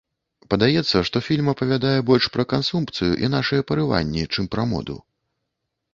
Падаецца, што фільм апавядае больш пра кансумпцыю і нашыя парыванні, чым пра моду.